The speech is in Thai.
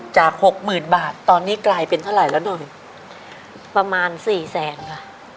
หกหมื่นบาทตอนนี้กลายเป็นเท่าไหร่แล้วหนุ่มประมาณสี่แสนค่ะ